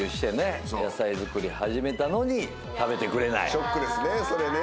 ショックですねそれね。